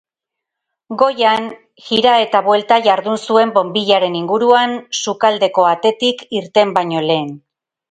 Goian jira eta buelta jardun zuen bonbillaren inguruan sukaldeko atetik irten baino lehen.